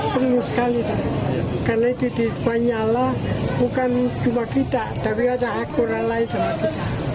pembeliannya di banyala bukan cuma kita tapi ada akurat lain juga